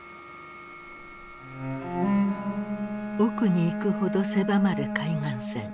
奥に行くほど狭まる海岸線。